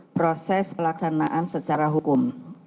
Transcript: proses pelaksanaan secara hukum